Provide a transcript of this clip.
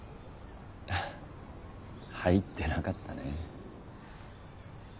あっ入ってなかったね。